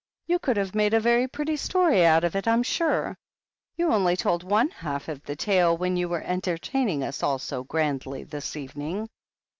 You could have made a very pretty story out of it, I'm sure. You only told one half of the tale when you were enter taining us all so grandly this evening.